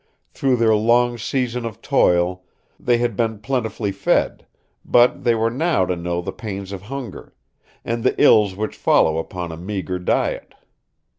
Through their long season of toil they had been plentifully fed; but they were now to know the pains of hunger, and the ills which follow upon a meagre diet.